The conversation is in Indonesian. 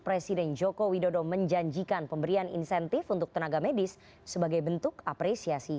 presiden joko widodo menjanjikan pemberian insentif untuk tenaga medis sebagai bentuk apresiasi